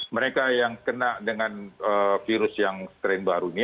mereka yang kena dengan virus yang strain baru ini